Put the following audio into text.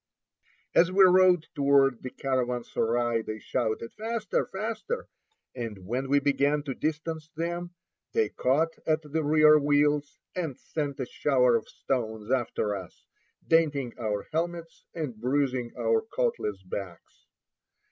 As we rode toward the caravansary they shouted, "Faster, faster!" and when we began to distance them, they caught at the rear wheels, and sent a shower of stones after us, denting our helmets, and bruising our coatless backs.